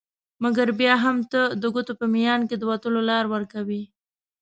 مګر بیا هم ته د ګوتو په میان کي د وتلو لار ورکوي